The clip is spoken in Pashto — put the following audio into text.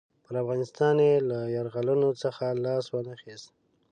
پر افغانستان یې له یرغلونو څخه لاس وانه خیست.